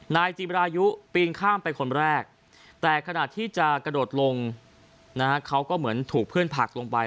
นายจิบรายุปีนข้ามไปคนแรกแต่ขณะที่จะกระโดดลงนะฮะเขาก็เหมือนถูกเพื่อนผลักลงไป